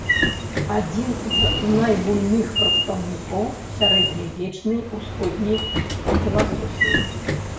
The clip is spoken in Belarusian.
Адзін з найбуйных прадстаўнікоў сярэднявечнай усходняй філасофіі.